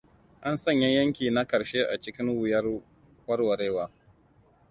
An sanya yanki na ƙarshe a cikin wuyar warwarewa.